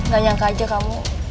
gak nyangka aja kamu